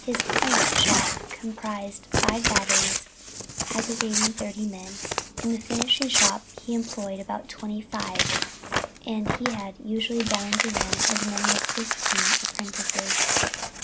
His "plank" shop comprised five batteries, aggregating thirty men; in the finishing shop he employed about twenty five, and he had usually bound to him as many as fifteen apprentices.